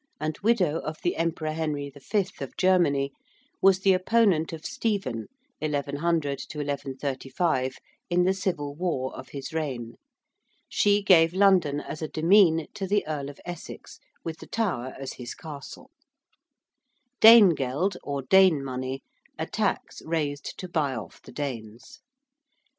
and widow of the Emperor Henry V. of Germany, was the opponent of Stephen (1100 1135) in the civil war of his reign. She gave London as 'a demesne' to the Earl of Essex, with the Tower as his castle. ~Danegeld~, or Dane money: a tax raised to buy off the Danes.